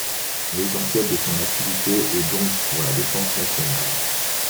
L'essentiel de son activité est donc pour la défense nationale.